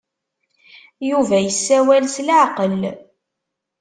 Yuba yessawal s leɛqel.